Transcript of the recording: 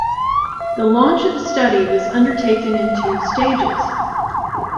The launch of the study was undertaken in two stages.